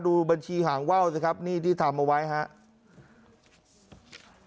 ดูบัญชีหางว่าวสิครับนี่ที่ทำเอาไว้ครับ